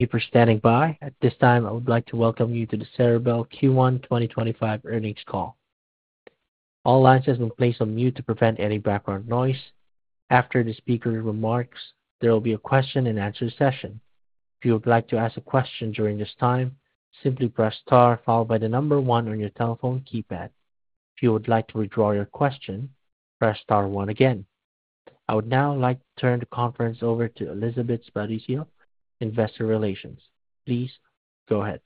Thank you for standing by. At this time, I would like to welcome you to the Ceribell Q1 2025 Earnings Call. All lines have been placed on mute to prevent any background noise. After the speaker's remarks, there will be a question-and-answer session. If you would like to ask a question during this time, simply press star followed by the number one on your telephone keypad. If you would like to withdraw your question, press star one again. I would now like to turn the conference over to Elizabeth Spariccio, Investor Relations. Please go ahead.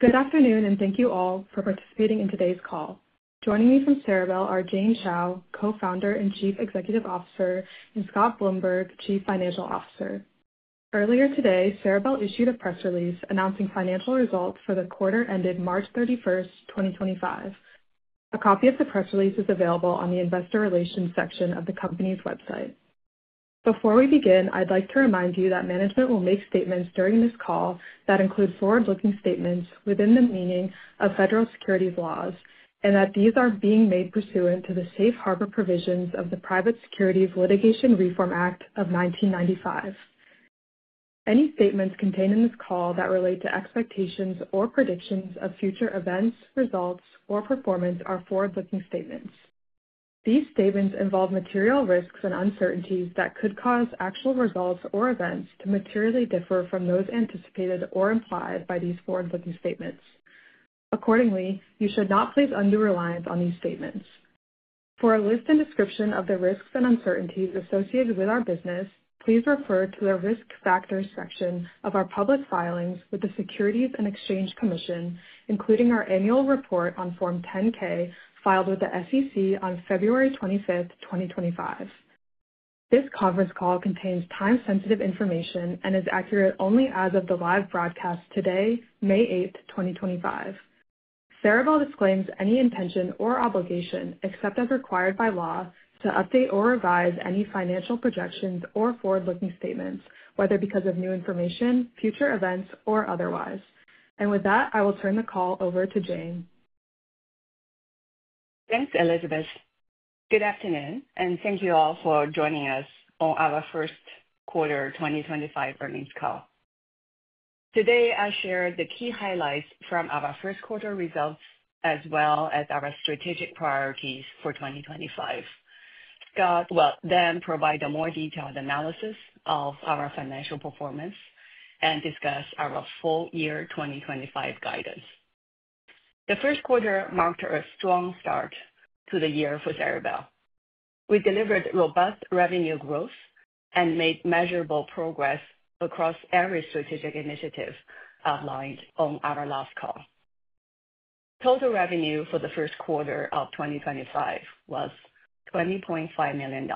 Good afternoon, and thank you all for participating in today's call. Joining me from Ceribell are Jane Chao, Co-founder and Chief Executive Officer, and Scott Blumberg, Chief Financial Officer. Earlier today, Ceribell issued a press release announcing financial results for the quarter ended March 31st, 2025. A copy of the press release is available on the Investor Relations section of the company's website. Before we begin, I'd like to remind you that management will make statements during this call that include forward-looking statements within the meaning of federal securities laws, and that these are being made pursuant to the safe harbor provisions of the Private Securities Litigation Reform Act of 1995. Any statements contained in this call that relate to expectations or predictions of future events, results, or performance are forward-looking statements. These statements involve material risks and uncertainties that could cause actual results or events to materially differ from those anticipated or implied by these forward-looking statements. Accordingly, you should not place undue reliance on these statements. For a list and description of the risks and uncertainties associated with our business, please refer to the risk factors section of our public filings with the Securities and Exchange Commission, including our annual report on Form 10-K filed with the SEC on February 25th, 2025. This conference call contains time-sensitive information and is accurate only as of the live broadcast today, May 8th, 2025. Ceribell disclaims any intention or obligation, except as required by law, to update or revise any financial projections or forward-looking statements, whether because of new information, future events, or otherwise. I will turn the call over to Jane. Thanks, Elizabeth. Good afternoon, and thank you all for joining us on our First Quarter 2025 Earnings Call. Today, I shared the key highlights from our first quarter results, as well as our strategic priorities for 2025. Scott will then provide a more detailed analysis of our financial performance and discuss our full year 2025 guidance. The first quarter marked a strong start to the year for Ceribell. We delivered robust revenue growth and made measurable progress across every strategic initiative outlined on our last call. Total revenue for the first quarter of 2025 was $20.5 million.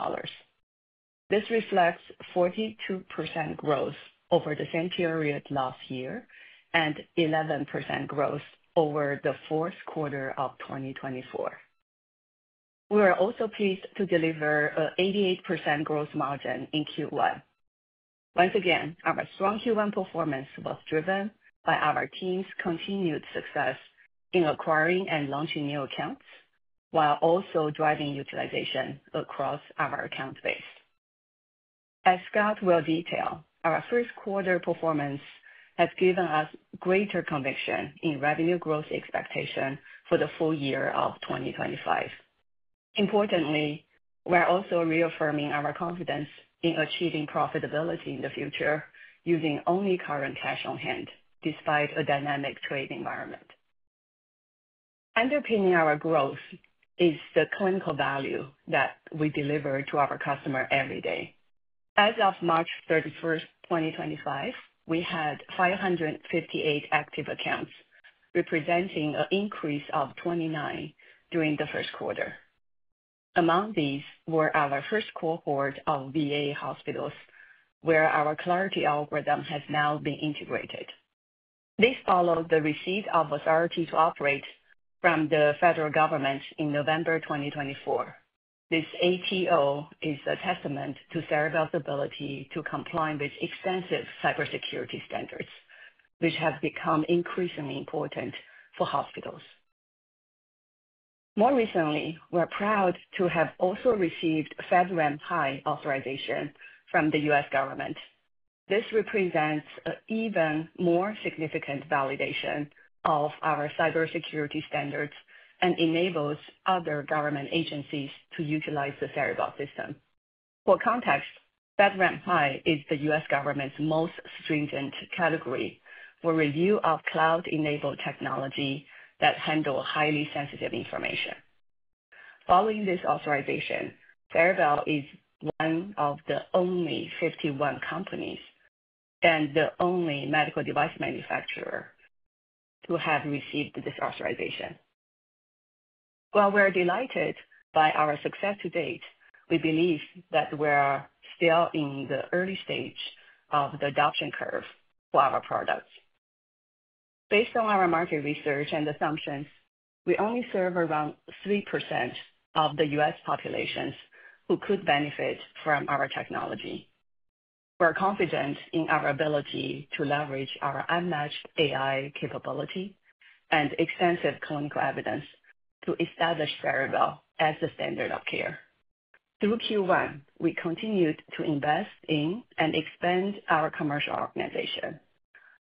This reflects 42% growth over the same period last year and 11% growth over the fourth quarter of 2024. We were also pleased to deliver an 88% growth margin in Q1. Once again, our strong Q1 performance was driven by our team's continued success in acquiring and launching new accounts, while also driving utilization across our account base. As Scott will detail, our first quarter performance has given us greater conviction in revenue growth expectations for the full year of 2025. Importantly, we're also reaffirming our confidence in achieving profitability in the future using only current cash on hand, despite a dynamic trade environment. Underpinning our growth is the clinical value that we deliver to our customers every day. As of March 31, 2025, we had 558 active accounts, representing an increase of 29 during the first quarter. Among these were our first cohort of VA hospitals, where our Clarity algorithm has now been integrated. This followed the receipt of authority to operate from the federal government in November 2024. This ATO is a testament to Ceribell's ability to comply with extensive cybersecurity standards, which have become increasingly important for hospitals. More recently, we're proud to have also received a FedRAMP High authorization from the U.S. government. This represents an even more significant validation of our cybersecurity standards and enables other government agencies to utilize the Ceribell system. For context, FedRAMP High is the U.S. government's most stringent category for review of cloud-enabled technology that handles highly sensitive information. Following this authorization, Ceribell is one of the only 51 companies and the only medical device manufacturer who have received this authorization. While we're delighted by our success to date, we believe that we're still in the early stage of the adoption curve for our products. Based on our market research and assumptions, we only serve around 3% of the U.S. populations who could benefit from our technology. We're confident in our ability to leverage our unmatched AI capability and extensive clinical evidence to establish Ceribell as the standard of care. Through Q1, we continued to invest in and expand our commercial organization.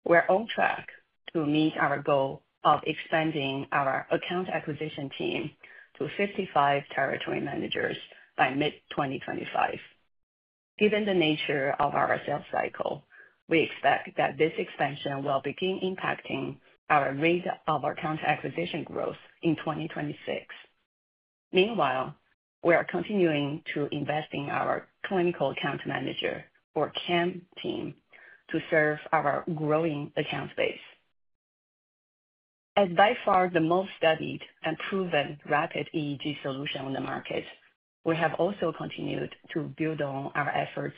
We're on track to meet our goal of expanding our account acquisition team to 55 territory managers by mid-2025. Given the nature of our sales cycle, we expect that this expansion will begin impacting our rate of account acquisition growth in 2026. Meanwhile, we are continuing to invest in our clinical account manager, or CAM team, to serve our growing account base. As by far the most studied and proven rapid EEG solution on the market, we have also continued to build on our efforts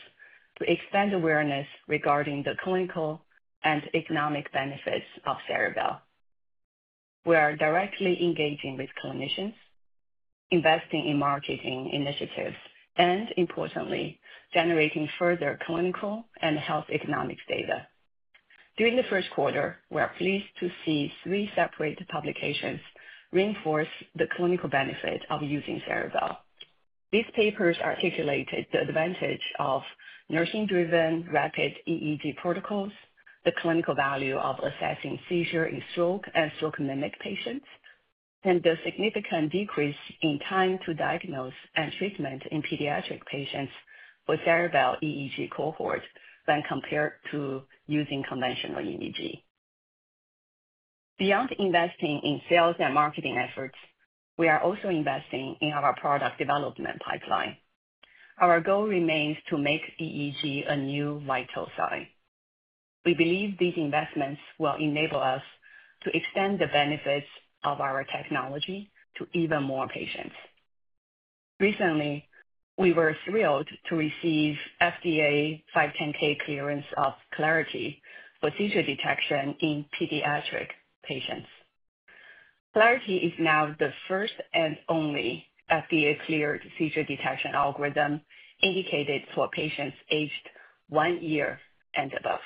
to expand awareness regarding the clinical and economic benefits of Ceribell. We are directly engaging with clinicians, investing in marketing initiatives, and, importantly, generating further clinical and health economics data. During the first quarter, we're pleased to see three separate publications reinforce the clinical benefit of using Ceribell. These papers articulated the advantage of nursing-driven rapid EEG protocols, the clinical value of assessing seizure in stroke and stroke-mimic patients, and the significant decrease in time to diagnose and treatment in pediatric patients for Ceribell EEG cohort when compared to using conventional EEG. Beyond investing in sales and marketing efforts, we are also investing in our product development pipeline. Our goal remains to make EEG a new vital sign. We believe these investments will enable us to extend the benefits of our technology to even more patients. Recently, we were thrilled to receive FDA 510(k) clearance of Clarity for seizure detection in pediatric patients. Clarity is now the first and only FDA-cleared seizure detection algorithm indicated for patients aged one year and above,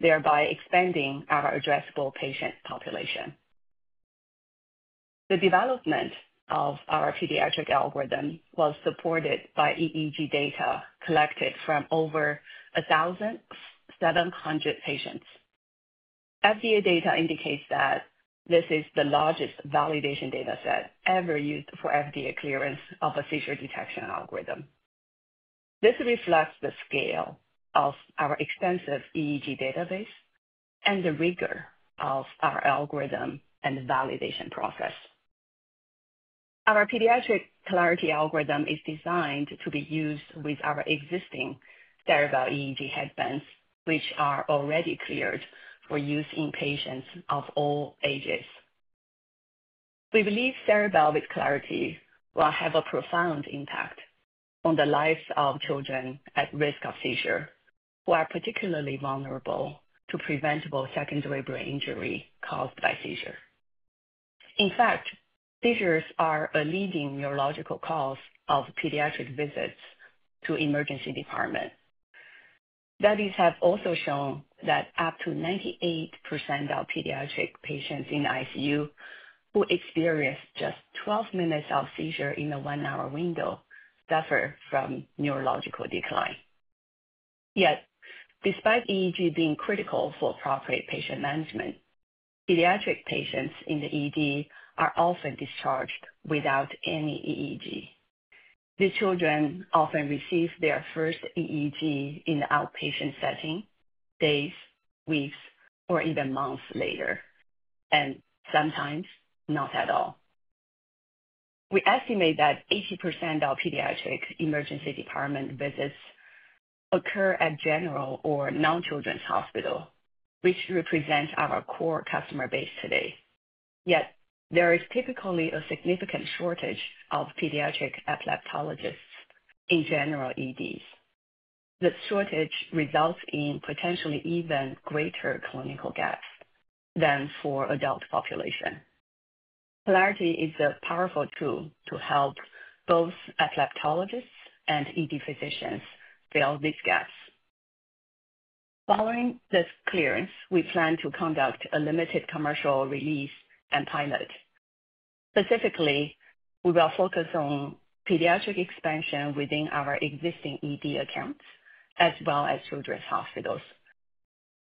thereby expanding our addressable patient population. The development of our pediatric algorithm was supported by EEG data collected from over 1,700 patients. FDA data indicates that this is the largest validation data set ever used for FDA clearance of a seizure detection algorithm. This reflects the scale of our extensive EEG database and the rigor of our algorithm and validation process. Our Pediatric Clarity algorithm is designed to be used with our existing Ceribell EEG headbands, which are already cleared for use in patients of all ages. We believe Ceribell with Clarity will have a profound impact on the lives of children at risk of seizure, who are particularly vulnerable to preventable secondary brain injury caused by seizure. In fact, seizures are a leading neurological cause of pediatric visits to the emergency department. Studies have also shown that up to 98% of pediatric patients in ICU who experience just 12 minutes of seizure in a one-hour window suffer from neurological decline. Yet, despite EEG being critical for proper patient management, pediatric patients in the ED are often discharged without any EEG. The children often receive their first EEG in the outpatient setting, days, weeks, or even months later, and sometimes not at all. We estimate that 80% of pediatric emergency department visits occur at general or non-children's hospitals, which represents our core customer base today. Yet, there is typically a significant shortage of pediatric epileptologists in general EDs. The shortage results in potentially even greater clinical gaps than for adult population. Clarity is a powerful tool to help both epileptologists and ED physicians fill these gaps. Following this clearance, we plan to conduct a limited commercial release and pilot. Specifically, we will focus on pediatric expansion within our existing ED accounts, as well as children's hospitals.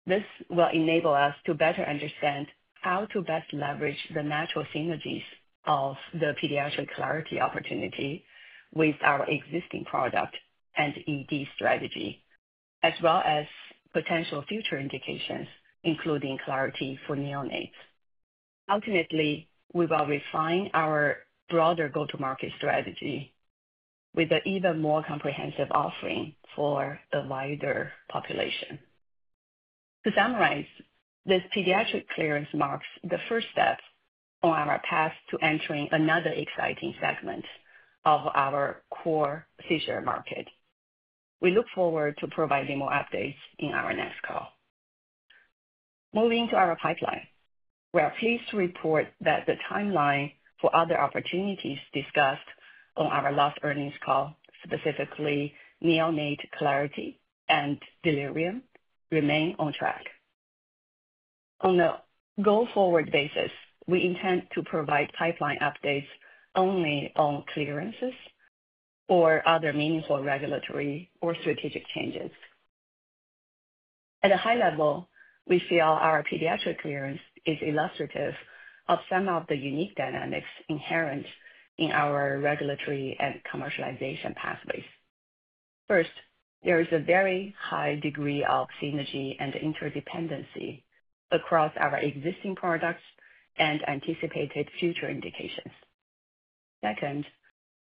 This will enable us to better understand how to best leverage the natural synergies of the Pediatric Clarity opportunity with our existing product and ED strategy, as well as potential future indications, including Clarity for neonates. Ultimately, we will refine our broader go-to-market strategy with an even more comprehensive offering for a wider population. To summarize, this pediatric clearance marks the first step on our path to entering another exciting segment of our core seizure market. We look forward to providing more updates in our next call. Moving to our pipeline, we are pleased to report that the timeline for other opportunities discussed on our last earnings call, specifically Neonate Clarity and delirium, remains on track. On a go-forward basis, we intend to provide pipeline updates only on clearances or other meaningful regulatory or strategic changes. At a high level, we feel our pediatric clearance is illustrative of some of the unique dynamics inherent in our regulatory and commercialization pathways. First, there is a very high degree of synergy and interdependency across our existing products and anticipated future indications. Second,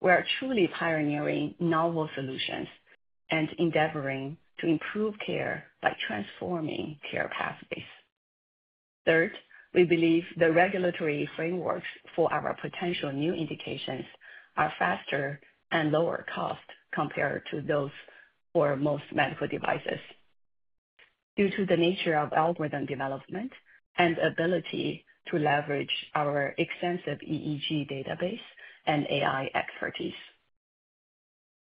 we are truly pioneering novel solutions and endeavoring to improve care by transforming care pathways. Third, we believe the regulatory frameworks for our potential new indications are faster and lower cost compared to those for most medical devices, due to the nature of algorithm development and ability to leverage our extensive EEG database and AI expertise.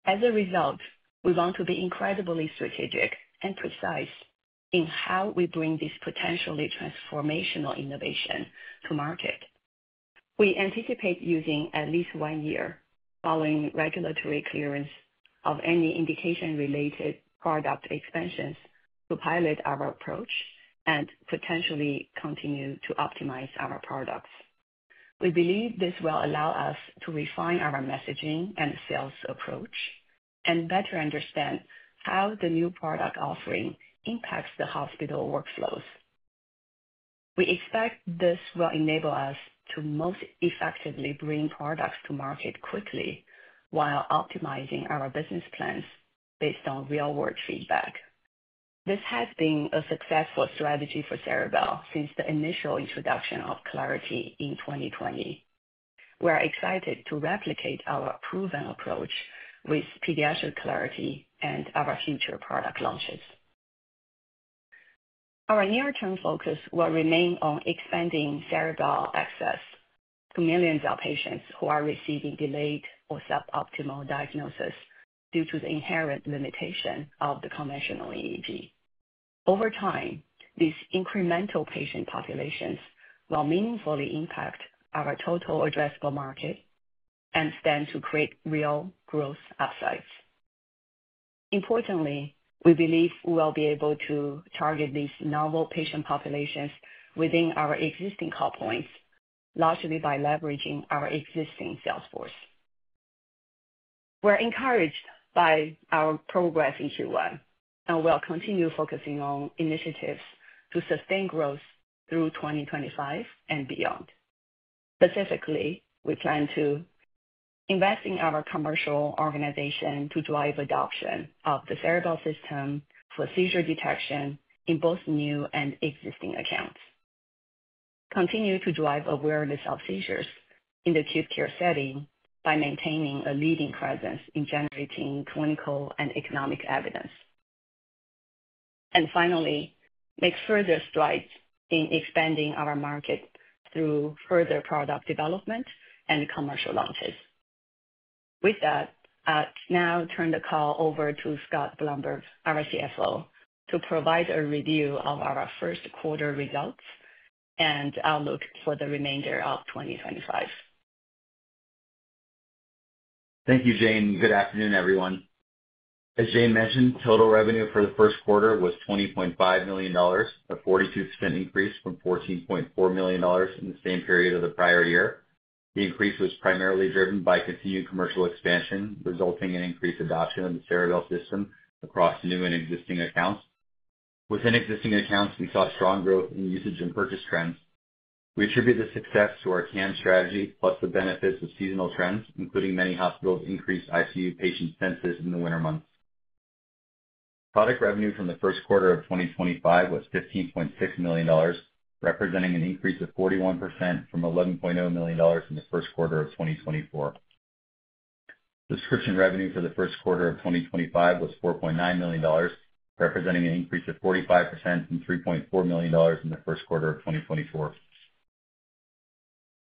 As a result, we want to be incredibly strategic and precise in how we bring this potentially transformational innovation to market. We anticipate using at least one year following regulatory clearance of any indication-related product expansions to pilot our approach and potentially continue to optimize our products. We believe this will allow us to refine our messaging and sales approach and better understand how the new product offering impacts the hospital workflows. We expect this will enable us to most effectively bring products to market quickly while optimizing our business plans based on real-world feedback. This has been a successful strategy for Ceribell since the initial introduction of Clarity in 2020. We are excited to replicate our proven approach with Pediatric Clarity and our future product launches. Our near-term focus will remain on expanding Ceribell access to millions of patients who are receiving delayed or suboptimal diagnosis due to the inherent limitation of the conventional EEG. Over time, these incremental patient populations will meaningfully impact our total addressable market and stand to create real growth upsides. Importantly, we believe we will be able to target these novel patient populations within our existing call points, largely by leveraging our existing sales force. We're encouraged by our progress in Q1, and we'll continue focusing on initiatives to sustain growth through 2025 and beyond. Specifically, we plan to invest in our commercial organization to drive adoption of the Ceribell system for seizure detection in both new and existing accounts, continue to drive awareness of seizures in the acute care setting by maintaining a leading presence in generating clinical and economic evidence, and finally, make further strides in expanding our market through further product development and commercial launches. With that, I now turn the call over to Scott Blumberg, our CFO, to provide a review of our first quarter results and outlook for the remainder of 2025. Thank you, Jane. Good afternoon, everyone. As Jane mentioned, total revenue for the first quarter was $20.5 million, a 42% increase from $14.4 million in the same period of the prior year. The increase was primarily driven by continued commercial expansion, resulting in increased adoption of the Ceribell system across new and existing accounts. Within existing accounts, we saw strong growth in usage and purchase trends. We attribute this success to our CAM strategy, but the benefits of seasonal trends, including many hospitals' increased ICU patient census in the winter months. Product revenue from the first quarter of 2025 was $15.6 million, representing an increase of 41% from $11.0 million in the first quarter of 2024. Description revenue for the first quarter of 2025 was $4.9 million, representing an increase of 45% from $3.4 million in the first quarter of 2024.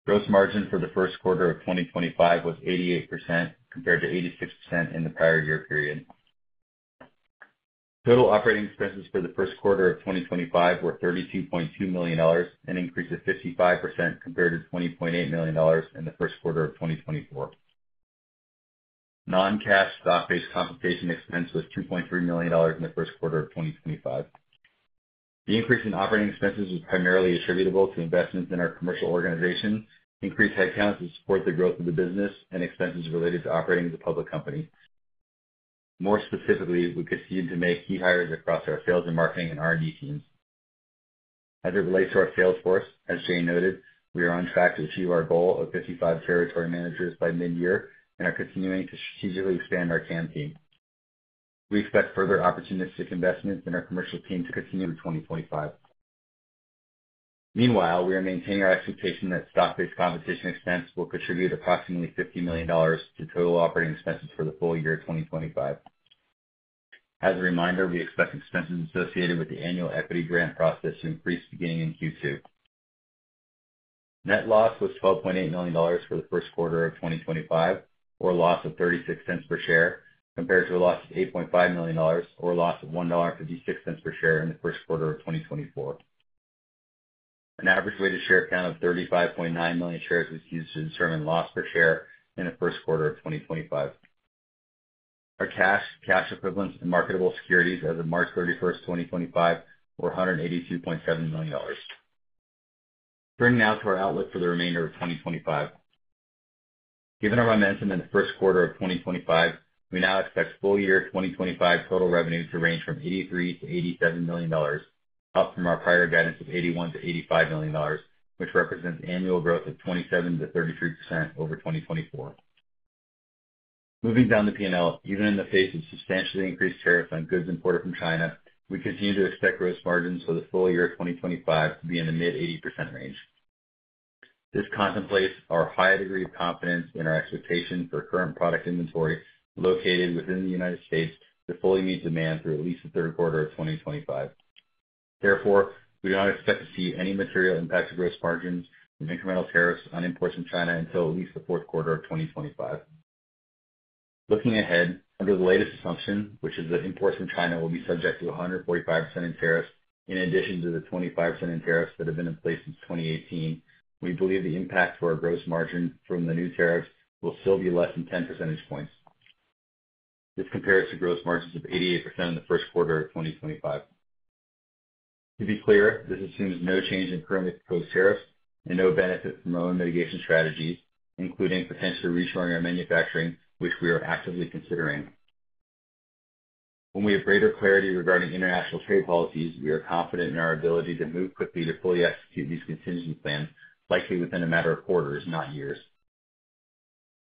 Gross margin for the first quarter of 2025 was 88% compared to 86% in the prior year period. Total operating expenses for the first quarter of 2025 were $32.2 million, an increase of 55% compared to $20.8 million in the first quarter of 2024. Non-cash, stock-based compensation expense was $2.3 million in the first quarter of 2025. The increase in operating expenses was primarily attributable to investments in our commercial organization, increased headcount to support the growth of the business, and expenses related to operating as a public company. More specifically, we proceeded to make key hires across our sales and marketing and R&D teams. As it relates to our sales force, as Jane noted, we are on track to achieve our goal of 55 CAM managers by mid-year and are continuing to strategically expand our CAM team. We expect further opportunistic investments in our commercial team to continue to 2025. Meanwhile, we are maintaining our expectation that stock-based compensation expense will contribute approximately $50 million to total operating expenses for the full year of 2025. As a reminder, we expect expenses associated with the annual equity grant process to increase to gaining usage. Net loss was $12.8 million for the first quarter of 2025, or a loss of $0.36 per share, compared to a loss of $8.5 million or a loss of $1.56 per share in the first quarter of 2024. An average weighted share count of 35.9 million shares was used to determine loss per share in the first quarter of 2025. Our cash, cash equivalents, and marketable securities as of March 31, 2025, were $182.7 million. Turning now to our outlook for the remainder of 2025. Given our momentum in the first quarter of 2025, we now expect full year 2025 total revenue to range from $83-$87 million, up from our prior guidance of $81-$85 million, which represents annual growth of 27%-33% over 2024. Moving down the P&L, even in the face of substantially increased tariffs on goods imported from China, we continue to expect growth margins for the full year of 2025 to be in the mid-80% range. This contemplates our high degree of confidence in our expectations for current product inventory located within the United States to fully meet demand through at least the third quarter of 2025. Therefore, we do not expect to see any material impact to gross margins with incremental tariffs on imports in China until at least the fourth quarter of 2025. Looking ahead, under the latest assumption, which is that imports in China will be subject to 145% in tariffs in addition to the 25% in tariffs that have been in place since 2018, we believe the impact for our gross margin from the new tariffs will still be less than 10 percentage points. This compares to gross margins of 88% in the first quarter of 2025. To be clear, this assumes no change in currently proposed tariffs and no benefit from our own mitigation strategy, including potentially reshoring our manufacturing, which we are actively considering. When we have greater clarity regarding international trade policies, we are confident in our ability to move quickly to fully execute these contingency plans, likely within a matter of quarters, not years.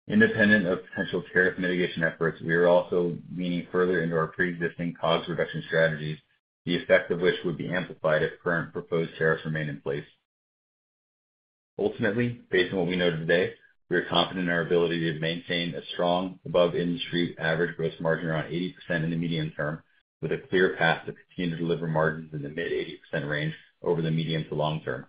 Independent of potential tariff mitigation efforts, we are also leaning further into our pre-existing cost reduction strategies, the effect of which would be amplified if current proposed tariffs remain in place. Ultimately, based on what we know today, we are confident in our ability to maintain a strong above-industry average growth margin around 80% in the medium term, with a clear path to continue to deliver margins in the mid-80% range over the medium to long term.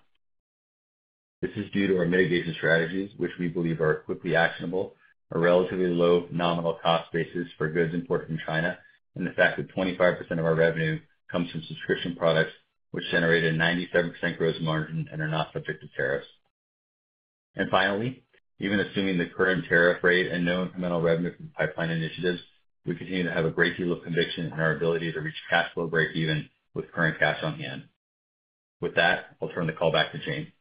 This is due to our mitigation strategies, which we believe are quickly actionable, our relatively low nominal cost basis for goods imported from China, and the fact that 25% of our revenue comes from subscription products, which generate a 97% growth margin and are not subject to tariffs. Finally, even assuming the current tariff rate and no incremental revenue from pipeline initiatives, we continue to have a great deal of conviction in our ability to reach a fast low breakeven with current gaps on hand. With that, I'll turn the call back to Jane.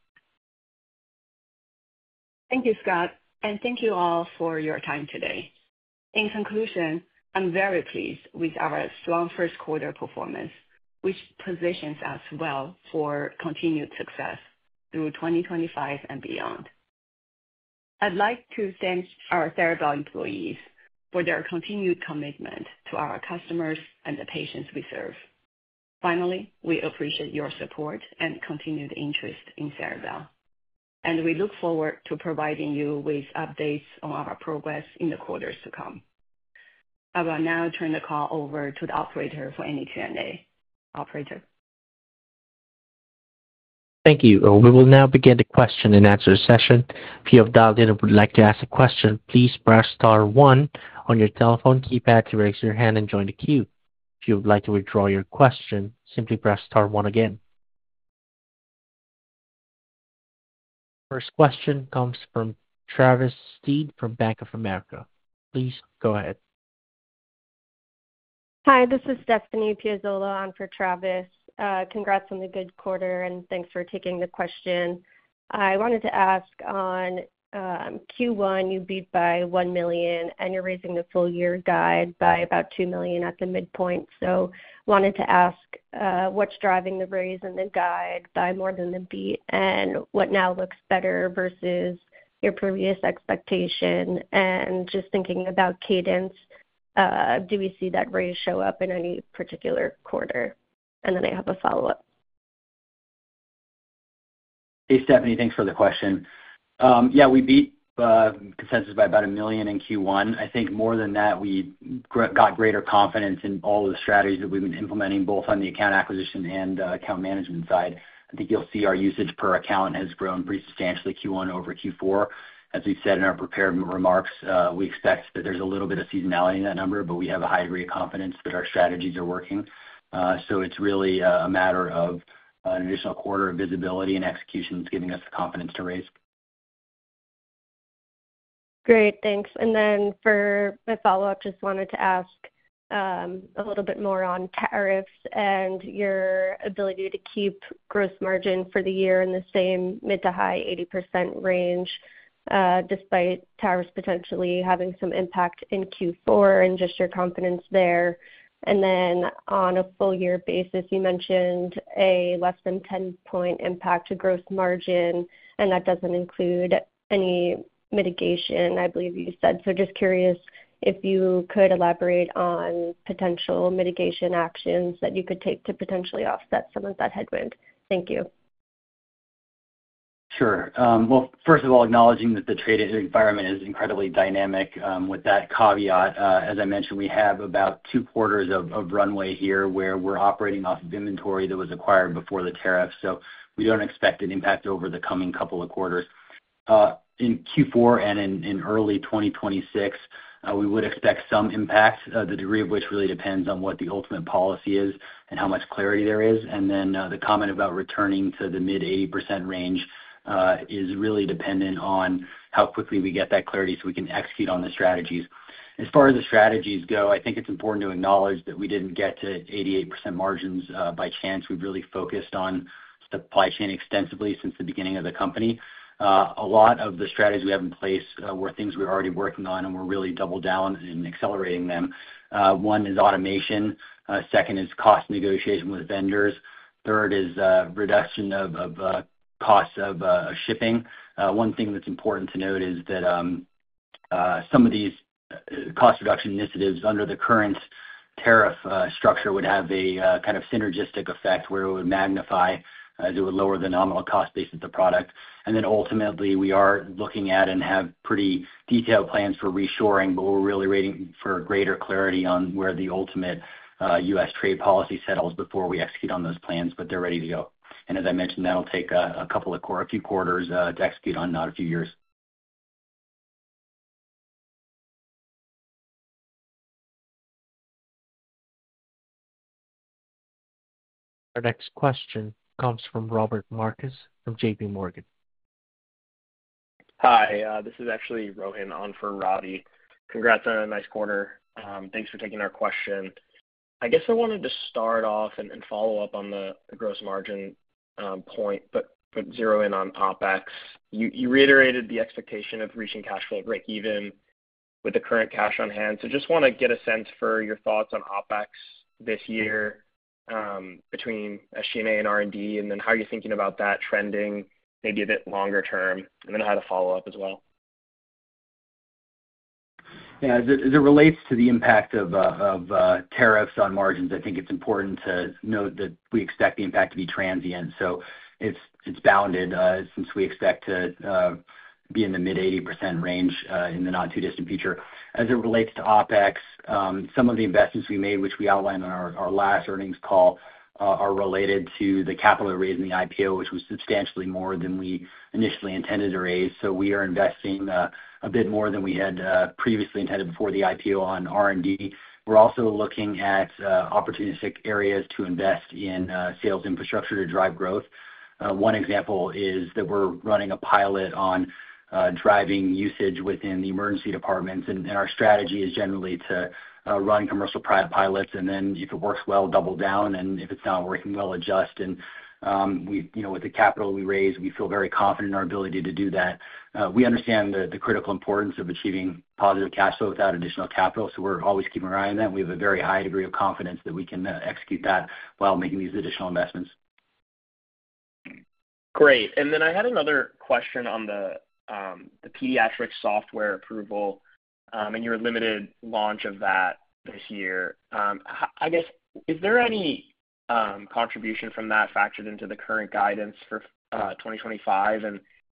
Thank you, Scott, and thank you all for your time today. In conclusion, I'm very pleased with our strong first quarter performance, which positions us well for continued success through 2025 and beyond. I'd like to thank our Ceribell employees for their continued commitment to our customers and the patients we serve. Finally, we appreciate your support and continued interest in Ceribell, and we look forward to providing you with updates on our progress in the quarters to come. I will now turn the call over to the operator for any Q&A. Operator. Thank you. We will now begin the question and answer session. If you have dialed in and would like to ask a question, please press star one on your telephone keypad to raise your hand and join the queue. If you would like to withdraw your question, simply press star one again. First question comes from Travis Steed from Bank of America. Please go ahead. Hi, this is Stephanie Piazzola. I am for Travis. Congrats on the good quarter, and thanks for taking the question. I wanted to ask on Q1, you beat by $1 million, and you are raising the full year guide by about $2 million at the midpoint. I wanted to ask what's driving the raise in the guide by more than the beat and what now looks better versus your previous expectation? Just thinking about cadence, do we see that raise show up in any particular quarter? I have a follow-up. Hey, Stephanie, thanks for the question. Yeah, we beat consensus by about $1 million in Q1. I think more than that, we got greater confidence in all of the strategies that we've been implementing, both on the account acquisition and account management side. I think you'll see our usage per account has grown pretty substantially Q1 over Q4. As we've said in our prepared remarks, we expect that there's a little bit of seasonality in that number, but we have a high degree of confidence that our strategies are working. It is really a matter of an additional quarter of visibility and execution giving us the confidence to raise. Great, thanks. For my follow-up, just wanted to ask a little bit more on tariffs and your ability to keep gross margin for the year in the same mid to high 80% range, despite tariffs potentially having some impact in Q4 and just your confidence there. On a full year basis, you mentioned a less than 10-point impact to gross margin, and that does not include any mitigation, I believe you said. Just curious if you could elaborate on potential mitigation actions that you could take to potentially offset some of that headwind. Thank you. Sure. First of all, acknowledging that the trading environment is incredibly dynamic with that caveat. As I mentioned, we have about two quarters of runway here where we're operating off of inventory that was acquired before the tariffs. We do not expect an impact over the coming couple of quarters. In Q4 and in early 2026, we would expect some impact, the degree of which really depends on what the ultimate policy is and how much clarity there is. The comment about returning to the mid-80% range is really dependent on how quickly we get that clarity so we can execute on the strategies. As far as the strategies go, I think it's important to acknowledge that we did not get to 88% margins by chance. We have really focused on supply chain extensively since the beginning of the company. A lot of the strategies we have in place were things we were already working on, and we are really double down and accelerating them. One is automation. Second is cost negotiation with vendors. Third is reduction of costs of shipping. One thing that's important to note is that some of these cost reduction initiatives under the current tariff structure would have a kind of synergistic effect where it would magnify as it would lower the nominal cost base of the product. Ultimately, we are looking at and have pretty detailed plans for reshoring, but we're really waiting for greater clarity on where the ultimate U.S. trade policy settles before we execute on those plans, but they're ready to go. As I mentioned, that'll take a couple of quarters to execute on in a few years. Our next question comes from Robert Marcus from JPMorgan. Hi, this is actually Rohan on for Roddy. Congrats on a nice quarter. Thanks for taking our question. I guess I wanted to start off and follow up on the gross margin point, but zero in on OpEx. You reiterated the expectation of reaching cash flow breakeven with the current cash on hand. Just want to get a sense for your thoughts on OpEx this year between SG&A and R&D, and then how you're thinking about that trending maybe a bit longer term. I had a follow-up as well. Yeah, as it relates to the impact of tariffs on margins, I think it's important to note that we expect the impact to be transient. It's bounded since we expect to be in the mid-80% range in the not too distant future. As it relates to OpEx, some of the investments we made, which we outlined on our last earnings call, are related to the capital raised in the IPO, which was substantially more than we initially intended to raise. We are investing a bit more than we had previously intended before the IPO on R&D. We are also looking at opportunistic areas to invest in sales infrastructure to drive growth. One example is that we are running a pilot on driving usage within the emergency departments. Our strategy is generally to run commercial pilots, and then if it works well, double down, and if it is not working well, adjust. With the capital we raise, we feel very confident in our ability to do that. We understand the critical importance of achieving positive cash flow without additional capital, so we are always keeping an eye on that. We have a very high degree of confidence that we can execute that while making these additional investments. Great. I had another question on the pediatric software approval and your limited launch of that this year. I guess, is there any contribution from that factored into the current guidance for 2025?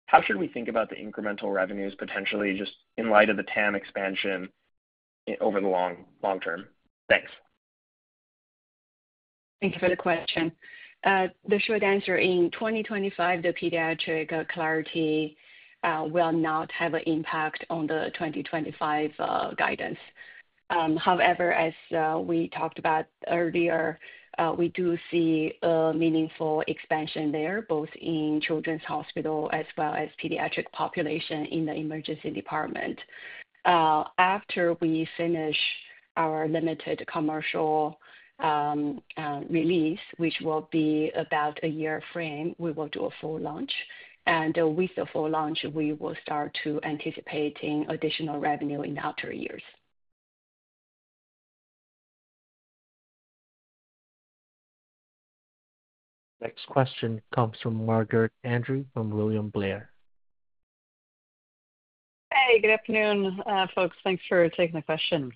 How should we think about the incremental revenues potentially just in light of the TAM expansion over the long term? Thanks. Thank you for the question. The short answer, in 2025, the Pediatric Clarity will not have an impact on the 2025 guidance. However, as we talked about earlier, we do see a meaningful expansion there, both in children's hospital as well as pediatric population in the emergency department. After we finish our limited commercial release, which will be about a year frame, we will do a full launch. With the full launch, we will start to anticipate additional revenue in the outer years. Next question comes from Margaret Andrew from William Blair. Hey, good afternoon, folks. Thanks for taking the question.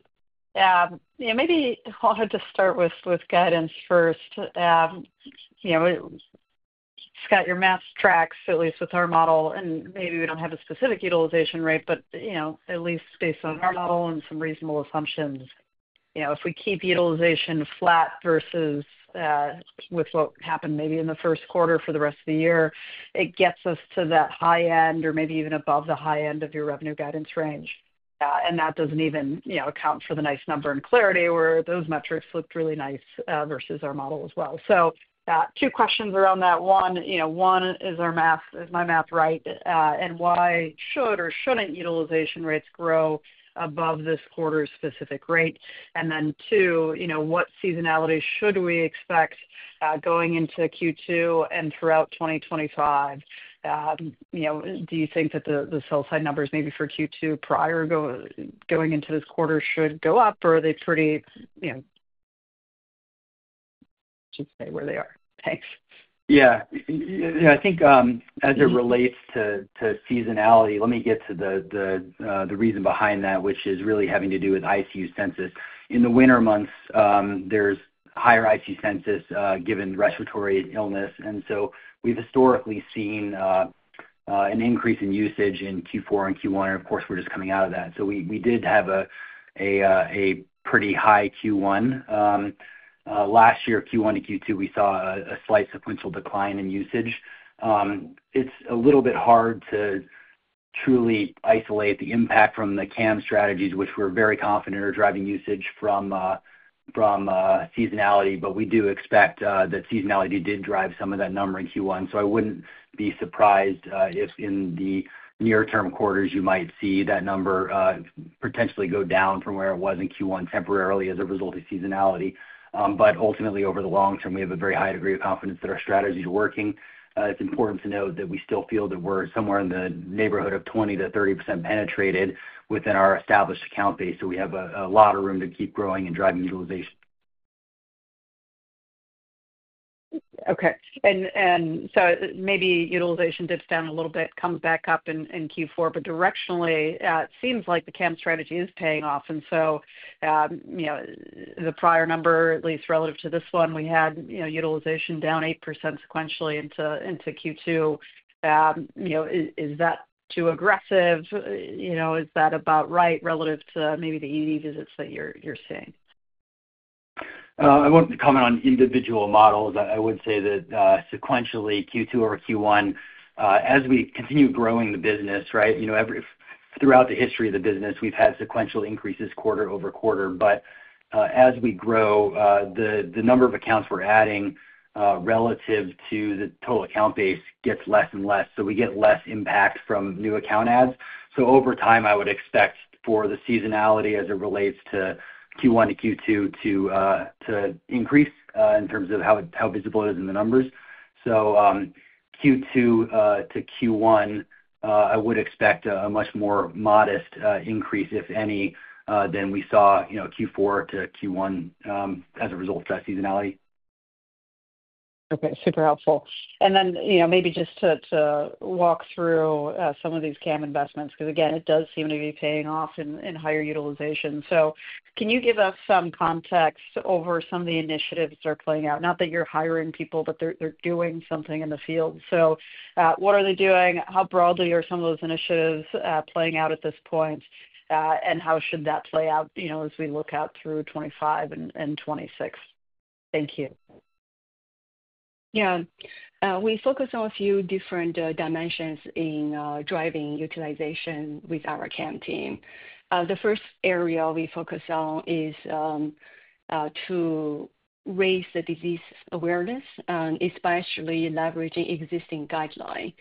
Yeah, maybe I'll just start with guidance first. Scott, your math tracks, at least with our model, and maybe we do not have a specific utilization rate, but at least based on our model and some reasonable assumptions, if we keep utilization flat versus with what happened maybe in the first quarter for the rest of the year, it gets us to that high end or maybe even above the high end of your revenue guidance range. That does not even account for the nice number and Clarity where those metrics looked really nice versus our model as well. Two questions around that. One, is my math right? Why should or should not utilization rates grow above this quarter's specific rate? Two, what seasonality should we expect going into Q2 and throughout 2025? Do you think that the sell-side numbers maybe for Q2 prior to going into this quarter should go up, or are they pretty where they are? Thanks. I think as it relates to seasonality, let me get to the reason behind that, which is really having to do with ICU census. In the winter months, there is higher ICU census given respiratory illness. We have historically seen an increase in usage in Q4 and Q1, and of course, we are just coming out of that. We did have a pretty high Q1. Last year, Q1 to Q2, we saw a slight sequential decline in usage. It's a little bit hard to truly isolate the impact from the CAM strategies, which we're very confident are driving usage from seasonality, but we do expect that seasonality did drive some of that number in Q1. I wouldn't be surprised if in the near-term quarters you might see that number potentially go down from where it was in Q1 temporarily as a result of seasonality. Ultimately, over the long term, we have a very high degree of confidence that our strategies are working. It's important to note that we still feel that we're somewhere in the neighborhood of 20-30% penetrated within our established account base. We have a lot of room to keep growing and driving utilization. Okay. Maybe utilization dips down a little bit, comes back up in Q4, but directionally, it seems like the CAM strategy is paying off. The prior number, at least relative to this one, we had utilization down 8% sequentially into Q2. Is that too aggressive? Is that about right relative to maybe the ED visits that you're seeing? I won't comment on individual models. I would say that sequentially, Q2 over Q1, as we continue growing the business, right? Throughout the history of the business, we've had sequential increases quarter over quarter. As we grow, the number of accounts we're adding relative to the total account base gets less and less. We get less impact from new account adds. Over time, I would expect for the seasonality as it relates to Q1 to Q2 to increase in terms of how visible it is in the numbers. Q2 to Q1, I would expect a much more modest increase, if any, than we saw Q4 to Q1 as a result of that seasonality. Okay, super helpful. Maybe just to walk through some of these CAM investments, because again, it does seem to be paying off in higher utilization. Can you give us some context over some of the initiatives that are playing out? Not that you're hiring people, but they're doing something in the field. What are they doing? How broadly are some of those initiatives playing out at this point? How should that play out as we look out through 2025 and 2026? Thank you. Yeah. We focus on a few different dimensions in driving utilization with our CAM team. The first area we focus on is to raise the disease awareness, especially leveraging existing guidelines.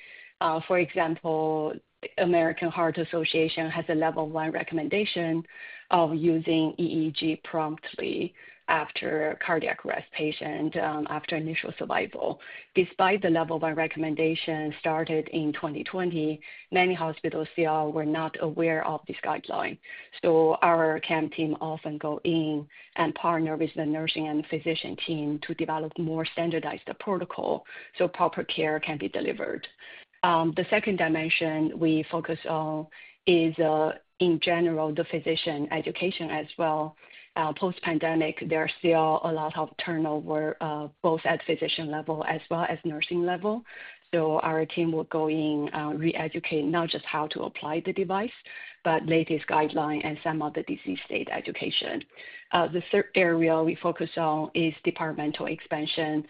For example, American Heart Association has a level one recommendation of using EEG promptly after cardiac arrest patients after initial survival. Despite the level one recommendation started in 2020, many hospitals still were not aware of this guideline. Our CAM team often goes in and partners with the nursing and physician team to develop more standardized protocols so proper care can be delivered. The second dimension we focus on is, in general, the physician education as well. Post-pandemic, there are still a lot of turnover both at physician level as well as nursing level. Our team will go in, re-educate, not just how to apply the device, but latest guidelines and some of the disease state education. The third area we focus on is departmental expansion.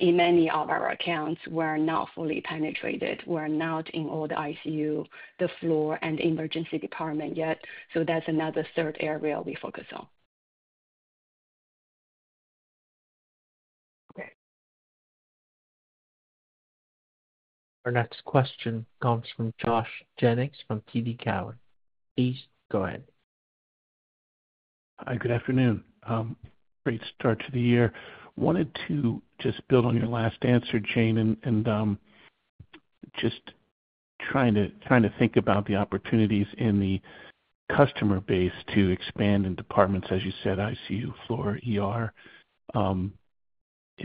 In many of our accounts, we're not fully penetrated. We're not in all the ICU, the floor, and emergency department yet. That's another third area we focus on. Our next question comes from Josh Jennings from TD Cowen. Please go ahead. Hi, good afternoon. Great start to the year. Wanted to just build on your last answer, Jane, and just trying to think about the opportunities in the customer base to expand in departments, as you said, ICU, floor.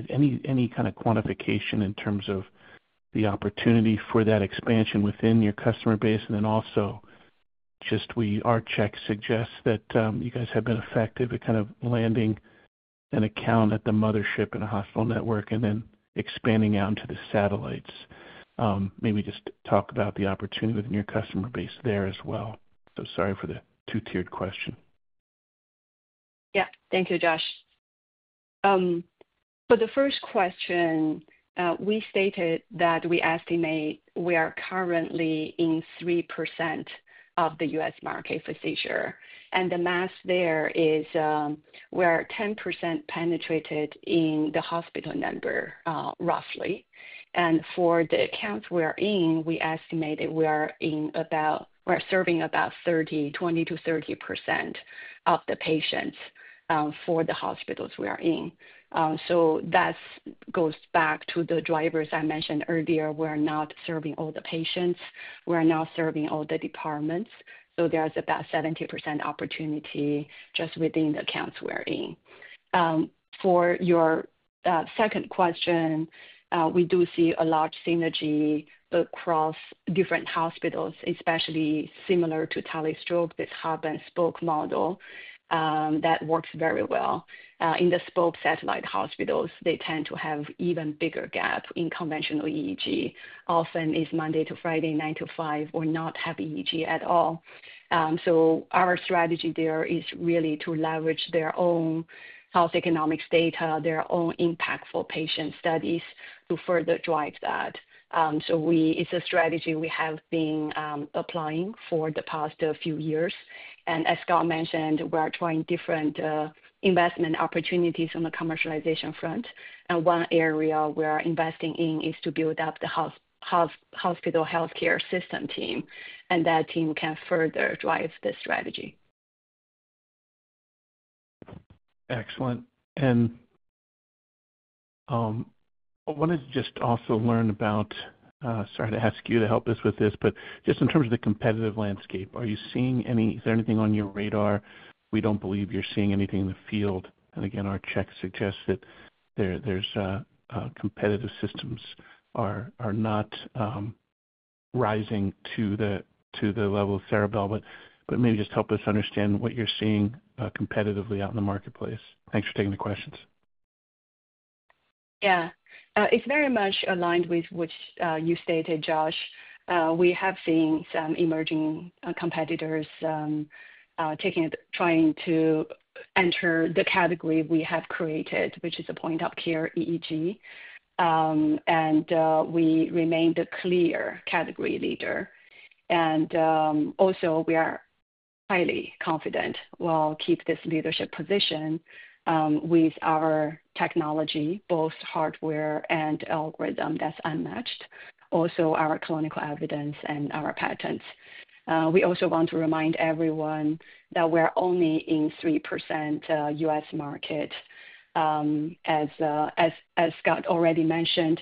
Any kind of quantification in terms of the opportunity for that expansion within your customer base? And then also just our check suggests that you guys have been effective at kind of landing an account at the mothership in a hospital network and then expanding out into the satellites. Maybe just talk about the opportunity within your customer base there as well. Sorry for the two-tiered question. Yeah, thank you, Josh. For the first question, we stated that we estimate we are currently in 3% of the U.S. The market for seizure. The math there is we are 10% penetrated in the hospital number, roughly. For the accounts we are in, we estimate we are serving about 20-30% of the patients for the hospitals we are in. That goes back to the drivers I mentioned earlier. We're not serving all the patients. We're not serving all the departments. There is about 70% opportunity just within the accounts we're in. For your second question, we do see a large synergy across different hospitals, especially similar to TeleStroke, this hub-and-spoke model that works very well. In the spoke satellite hospitals, they tend to have an even bigger gap in conventional EEG, often it is Monday to Friday, 9:00 A.M. to 5:00 P.M., or not have EEG at all. Our strategy there is really to leverage their own health economics data, their own impact for patient studies to further drive that. It is a strategy we have been applying for the past few years. As Scott mentioned, we're trying different investment opportunities on the commercialization front. One area we're investing in is to build up the hospital healthcare system team, and that team can further drive the strategy. Excellent. I wanted to just also learn about, sorry to ask you to help us with this, but just in terms of the competitive landscape, are you seeing any—is there anything on your radar? We do not believe you're seeing anything in the field. Again, our checks suggest that competitive systems are not rising to the level of Ceribell, but maybe just help us understand what you're seeing competitively out in the marketplace. Thanks for taking the questions. Yeah. It's very much aligned with what you stated, Josh. We have seen some emerging competitors trying to enter the category we have created, which is a point-of-care EEG. We remain the clear category leader. We are highly confident we'll keep this leadership position with our technology, both hardware and algorithm that's unmatched. Also, our clinical evidence and our patents. We also want to remind everyone that we're only in 3% U.S. market. As Scott already mentioned,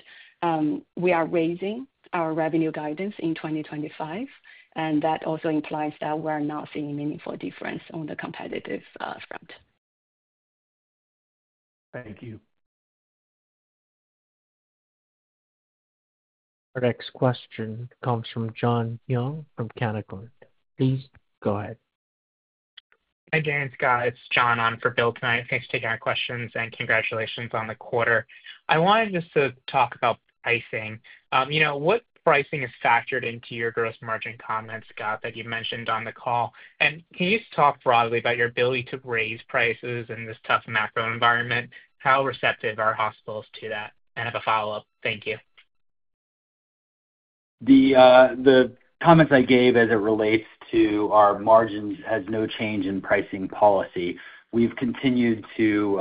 we are raising our revenue guidance in 2025, and that also implies that we're not seeing a meaningful difference on the competitive front. Thank you. Our next question comes from Jon Young from Canaccord. Please go ahead. Hi, Jane and Scott. It's John on for Bill tonight. Thanks for taking our questions and congratulations on the quarter. I wanted just to talk about pricing. What pricing is factored into your gross margin comments, Scott, that you mentioned on the call? Can you just talk broadly about your ability to raise prices in this tough macro environment? How receptive are hospitals to that? I have a follow-up. Thank you. The comments I gave as it relates to our margins has no change in pricing policy. We have continued to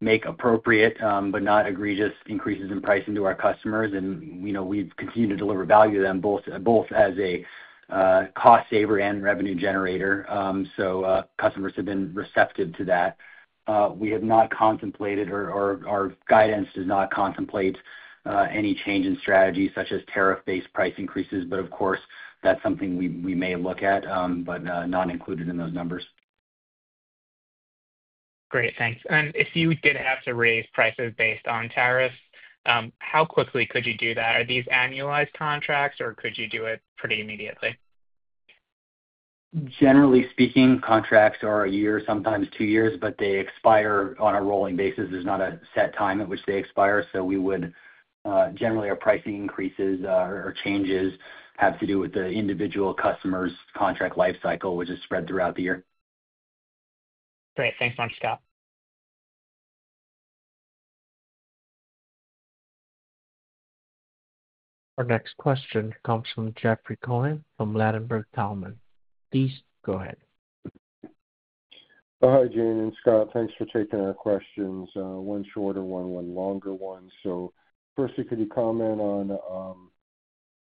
make appropriate but not egregious increases in pricing to our customers, and we have continued to deliver value to them both as a cost saver and revenue generator. Customers have been receptive to that. We have not contemplated, or our guidance does not contemplate any change in strategy such as tariff-based price increases. Of course, that is something we may look at, but not included in those numbers. Great. Thanks. If you did have to raise prices based on tariffs, how quickly could you do that? Are these annualized contracts, or could you do it pretty immediately? Generally speaking, contracts are a year, sometimes two years, but they expire on a rolling basis. There is not a set time at which they expire. We would generally, our pricing increases or changes have to do with the individual customer's contract lifecycle, which is spread throughout the year. Great. Thanks so much, Scott. Our next question comes from Jeffrey Cohen from Ladenburg Thalmann. Please go ahead. Hi, Jane and Scott. Thanks for taking our questions. One shorter, one longer one. First, could you comment on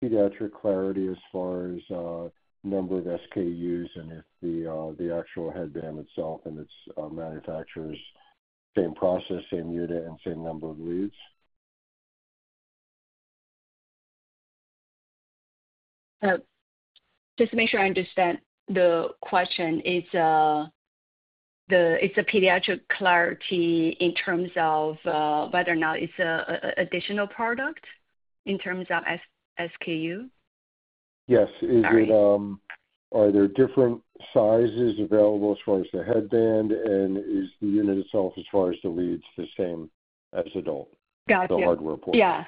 Pediatric Clarity as far as number of SKUs and the actual headband itself and its manufacturers? Same process, same unit, and same number of leads? Just to make sure I understand the question, it's a Pediatric Clarity in terms of whether or not it's an additional product in terms of SKU? Yes. Are there different sizes available as far as the headband, and is the unit itself as far as the leads the same as adult? The hardware portion. Yeah.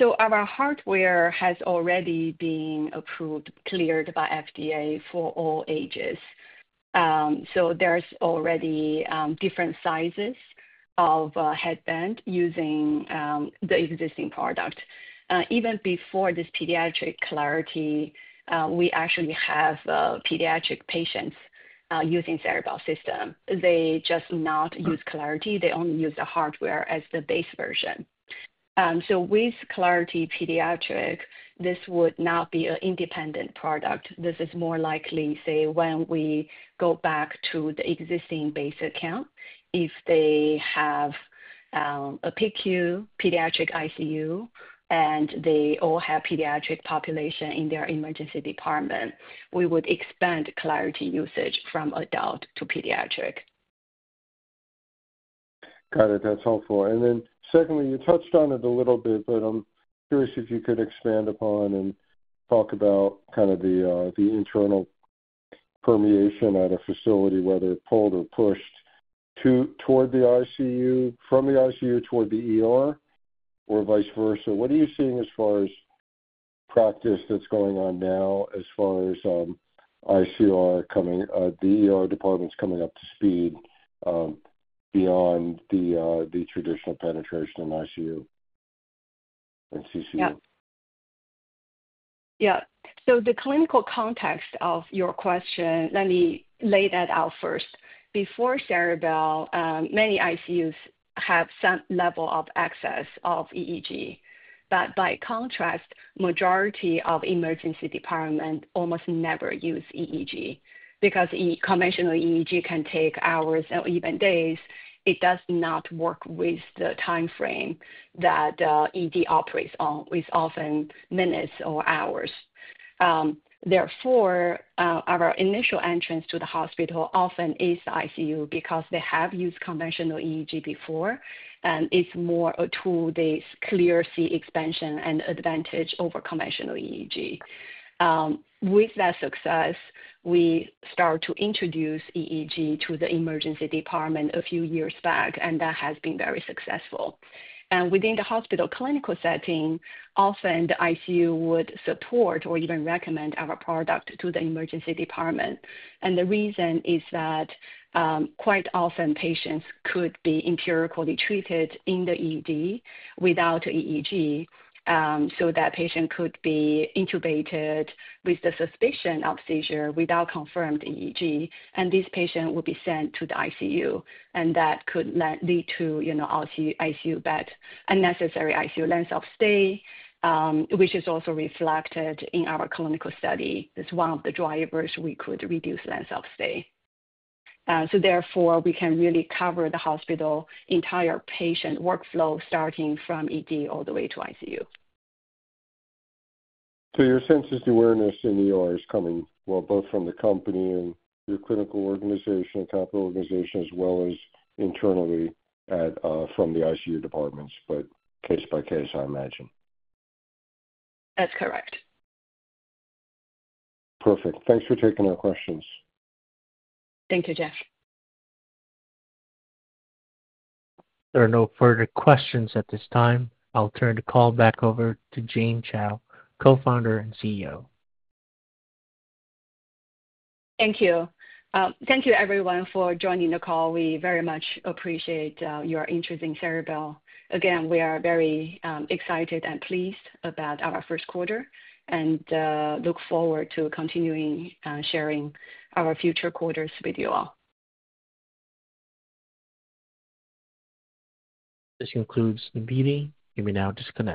Our hardware has already been approved, cleared by FDA for all ages. There are already different sizes of headband using the existing product. Even before this Pediatric Clarity, we actually have pediatric patients using Ceribell system. They just not use Clarity. They only use the hardware as the base version. With Clarity Pediatric, this would not be an independent product. This is more likely, say, when we go back to the existing base account. If they have a PICU, pediatric ICU, and they all have pediatric population in their emergency department, we would expand Clarity usage from adult to pediatric. Got it. That's helpful. Then secondly, you touched on it a little bit, but I'm curious if you could expand upon and talk about kind of the internal permeation at a facility, whether it's pulled or pushed toward the ICU, from the ICU toward the or vice versa. What are you seeing as far as practice that's going on now as far as ICU coming, the departments coming up to speed beyond the traditional penetration in ICU and CCU? Yeah. Yeah. The clinical context of your question, let me lay that out first. Before Ceribell, many ICUs have some level of access of EEG. By contrast, the majority of emergency departments almost never use EEG. Because conventional EEG can take hours or even days, it does not work with the timeframe that ED operates on, which is often minutes or hours. Therefore, our initial entrance to the hospital often is ICU because they have used conventional EEG before, and it's more a tool that is clear-see expansion and advantage over conventional EEG. With that success, we start to introduce EEG to the emergency department a few years back, and that has been very successful. Within the hospital clinical setting, often the ICU would support or even recommend our product to the emergency department. The reason is that quite often patients could be empirically treated in the ED without EEG so that the patient could be intubated with the suspicion of seizure without confirmed EEG, and this patient would be sent to the ICU, and that could lead to unnecessary ICU length of stay, which is also reflected in our clinical study. It is one of the drivers we could reduce length of stay. Therefore, we can really cover the hospital entire patient workflow starting from ED all the way to ICU. To your senses, the awareness is coming, both from the company and your clinical organization, capital organization, as well as internally from the ICU departments, but case by case, I imagine. That is correct. Perfect. Thanks for taking our questions. Thank you, Jeff. There are no further questions at this time. I'll turn the call back over to Jane Chao, co-founder and CEO. Thank you. Thank you, everyone, for joining the call. We very much appreciate your interest in Ceribell. Again, we are very excited and pleased about our first quarter and look forward to continuing sharing our future quarters with you all. This concludes the meeting. You may now disconnect.